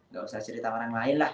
gak usah cerita orang lain lah